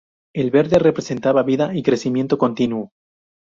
El verde representaba vida y crecimiento continuo.